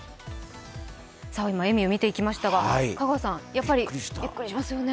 エミュー、見ていきましたがやっぱりびっくりしますよね？